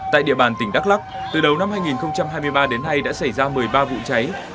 tại địa bàn tỉnh đắk lắc từ đầu năm hai nghìn hai mươi ba đến nay đã xảy ra một mươi ba vụ cháy